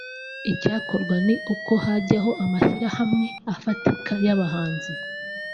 Icyakorwa ni uko hajyaho amashyirahamwe afatika y’abahanzi